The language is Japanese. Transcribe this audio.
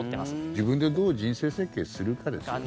自分でどう人生設計するかですよね。